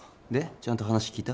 ちゃんと話聞いた？